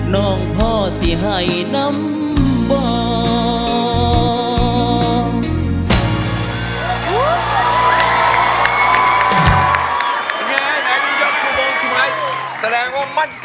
น้องพ่อสิให้น้ำบอก